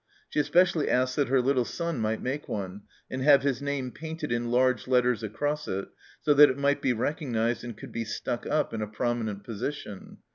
She especially asks that her little son might make one, and have his name painted in large letters across it, so that it might be recognized and could be stuck up in a prominent position.